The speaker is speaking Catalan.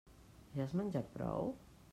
Ja has menjat prou?